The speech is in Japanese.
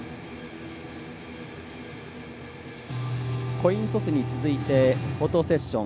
コイントスに続いてフォトセッション。